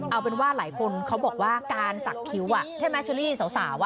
เอาเป็นว่าหลายคนเขาบอกว่าการสักคิ้วใช่ไหมเชอรี่สาว